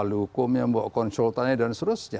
dia harus membawa lukumnya konsultan dan sebagainya